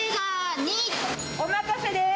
おまかせです。